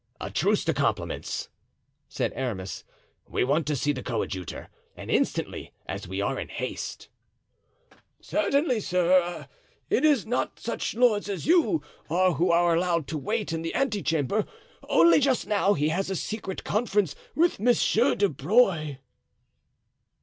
"A truce to compliments," said Aramis; "we want to see the coadjutor, and instantly, as we are in haste." "Certainly, sir—it is not such lords as you are who are allowed to wait in the ante chamber, only just now he has a secret conference with Monsieur de Bruy."